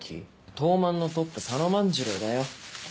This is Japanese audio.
東卍のトップ佐野万次郎だよ。